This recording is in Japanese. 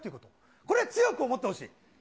これ、強く思ってほしい。ね？